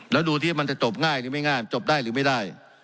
แล้วดูที่มันจะจบง่ายหรือไม่ง่ายจบได้หรือไม่ได้